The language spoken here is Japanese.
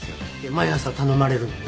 毎朝頼まれるのに？